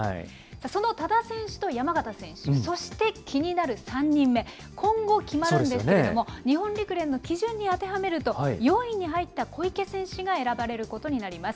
その多田選手と山縣選手、そして気になる３人目、今後決まるんですけれども、日本陸連の基準に当てはめると、４位に入った小池選手が選ばれることになります。